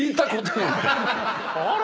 あれ？